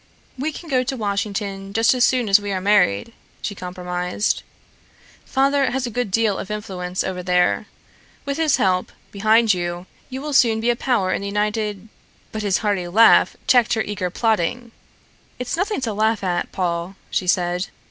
"We can go to Washington just as soon as we are married," she compromised. "Father has a great deal of influence over there. With his help behind you you will soon be a power in the United " but his hearty laugh checked her eager plotting. "It's nothing to laugh at, Paul," she said.